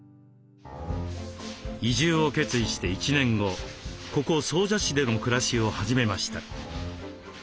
移住を決意して１年後ここ総社市での暮らしを始めました。